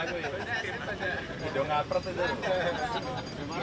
tempat yang asli di jemaah